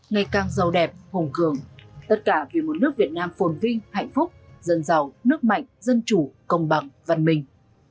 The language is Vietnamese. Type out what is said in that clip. ngày càng giàu đẹp hùng cường tất cả vì một nước việt nam phồn vinh hạnh phúc dân giàu nước mạnh dân chủ công bằng văn minh